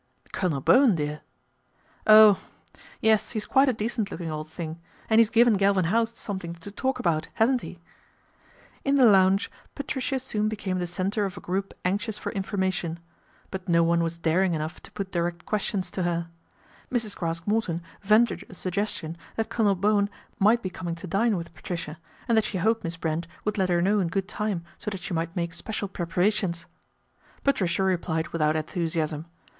" Colonel Bowen, dear." " Oh ! Yes, he's quite a decent looking old thing, and he's given Galvin House something to talk about, hasn't he ?" In the lounge Patricia soon became the centre of a group anxious for information ; but no one was daring enough to put direct questions to her. Mrs. Craske Morton ventured a suggestion that Colonel Bowen might be coming to dine with Patricia, and that she hoped Miss Brent would let her know in good time, so that she might mak<j special preparations. MADNESS OF LORD PETER BOWEN 55 Patricia replied without enthusiasm.